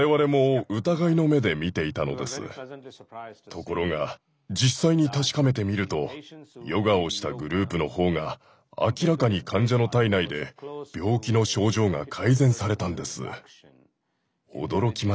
ところが実際に確かめてみるとヨガをしたグループの方が明らかに患者の体内で病気の症状が改善されたんです。